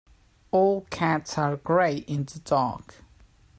All cats are grey in the dark.